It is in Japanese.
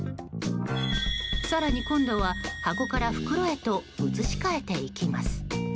更に今度は、箱から袋へと移し替えていきます。